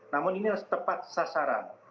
namun ini setepat sasaran